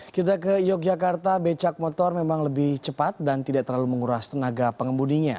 kita ke yogyakarta becak motor memang lebih cepat dan tidak terlalu menguras tenaga pengembudinya